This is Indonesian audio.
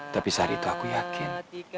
tapi saat itu aku yakin